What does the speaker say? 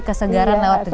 kesegaran lewat deg degan